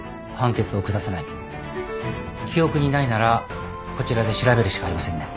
記憶にないならこちらで調べるしかありませんね。